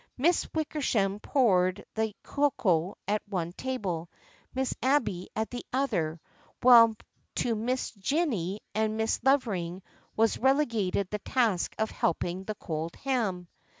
Miss Wickersham poured the cocoa at one table, Miss Abby at the other, while to Miss Jennie and Miss Lovering was relegated the task of helping the cold ham.